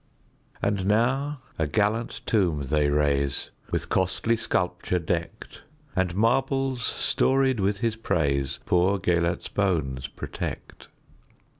And now a gallant tomb they raise, With costly sculpture decked; And marbles storied with his praisePoor Gêlert's bones protect.